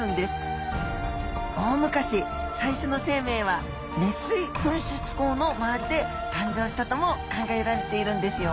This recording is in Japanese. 大昔最初の生命は熱水噴出孔の周りで誕生したとも考えられているんですよ。